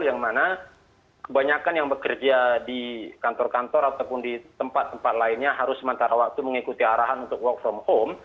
yang mana kebanyakan yang bekerja di kantor kantor ataupun di tempat tempat lainnya harus sementara waktu mengikuti arahan untuk work from home